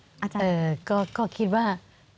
อาจารย์ก็คิดว่า